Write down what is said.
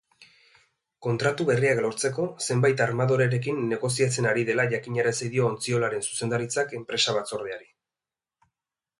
Kontratu berriak lortzeko zenbait armadorerekin negoziatzen ari dela jakinarazi dio ontziolaren zuzendaritzak enpresa-batzordeari.